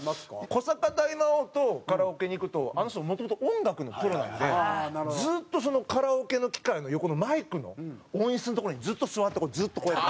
古坂大魔王とカラオケに行くとあの人もともと音楽のプロなんでずっとカラオケの機械の横のマイクの音質の所にずっと座ってずっとこうやって。